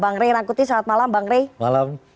bang rey rangkuti selamat malam